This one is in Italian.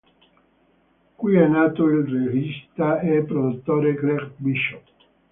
Qui è nato il regista e produttore Gregg Bishop.